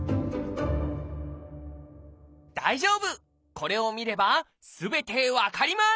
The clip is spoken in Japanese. これを見ればすべて分かります！